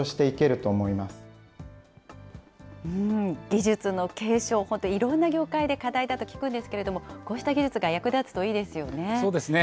技術の継承、本当、いろんな業界で課題だと聞くんですけど、こうした技術が役立つといいですよね。